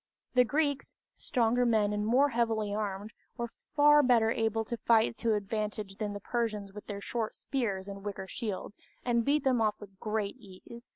The Greeks, stronger men and more heavily armed, were far better able to fight to advantage than the Persians with their short spears and wicker shields, and beat them off with great ease.